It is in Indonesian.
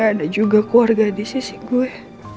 ada juga keluarga di sisi gue